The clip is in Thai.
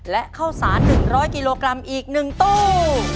และข้าวสาร๑๐๐กิโลกรัมอีก๑ตู้